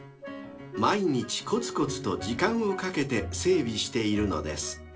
［毎日こつこつと時間をかけて整備しているのです］